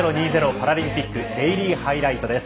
パラリンピック・デイリーハイライトです。